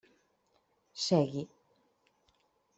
Segui.